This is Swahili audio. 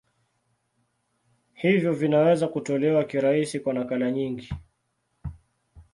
Hivyo vinaweza kutolewa kirahisi kwa nakala nyingi.